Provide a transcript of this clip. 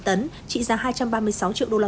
trị giá hai trăm ba mươi sáu triệu usd